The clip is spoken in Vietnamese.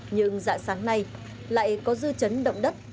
nhưng dạng sáng nay lại có dư chấn động đất